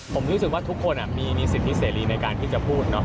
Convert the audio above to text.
ผมรู้สึกว่าทุกคนมีสิทธิเสรีในการที่จะพูดเนาะ